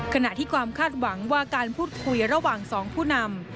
ขณะที่ความคาดหวังว่าการพูดคุยระหว่าง๒ผู้นำ